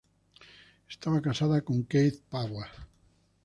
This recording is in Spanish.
Estaba casada con Keith Powell.